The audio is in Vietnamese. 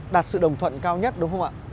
đạt sự đồng thuận cao nhất đúng không ạ